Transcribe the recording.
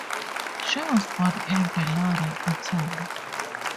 She was born in Milan, Italy.